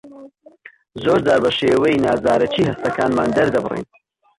زۆرجار بە شێوەی نازارەکی هەستەکانمان دەردەبڕین.